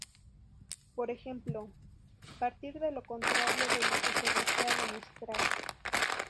Por ejemplo, partir de lo contrario de lo que se desea demostrar.